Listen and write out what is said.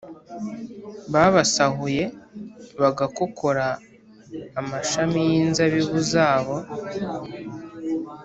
babasahuye bagakokora amashami yinzabibu zabo